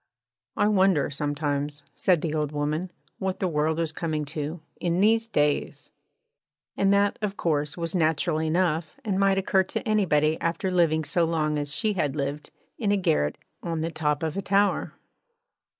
'I wonder sometimes,' said the old woman, 'what the world is coming to, in these days!' And that, of course, was natural enough, and might occur to anybody after living so long as she had lived in a garret on the top of a tower.